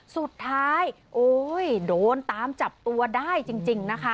สุดท้ายโอ้ยโดนตามจับตัวได้จริงนะคะ